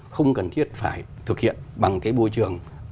không cần thiết phải thực hiện bằng cái bôi trường